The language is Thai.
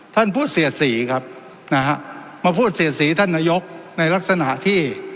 ท่านพูดเสียสีครับนะฮะมาพูดเสียสีท่านนายกในลักษณะที่